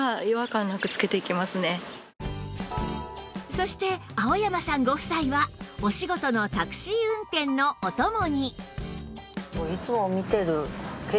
そして青山さんご夫妻はお仕事のタクシー運転のお供に